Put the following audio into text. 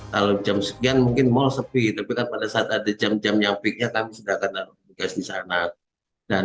kalau jam sekian mungkin mal sepi tapi kan pada saat ada jam jam yang peaknya kami sudah kenal